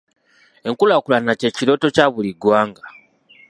Enkulaakulana kye kirooto kya buli ggwanga.